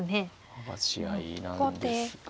剥がし合いなんですが。